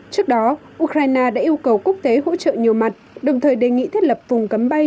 trước đó ukraine đã yêu cầu quốc tế hỗ trợ nhiều mặt đồng thời đề nghị thiết lập vùng cấm bay